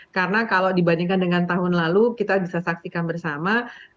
karena kalau dibandingkan dengan tahun lalu kita bisa saktikan bersama